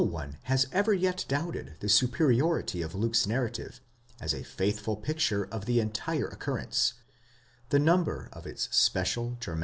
one has ever yet doubted the superiority of Luke's narrative, as a faithful. picture of the entire occurrence, the number of its special, dramatic, and in * Ueber den Lukas, s.